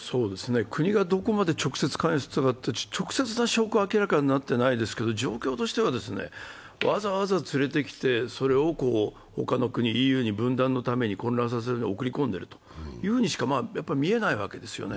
国がどこまで直接関与していたか、直接的な証拠は明らかになっていないですが、状況としては、わざわざ連れてきて他の国、ＥＵの分断、混乱させるために送り込んでいるとしか見えないわけですよね。